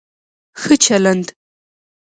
ښه چلند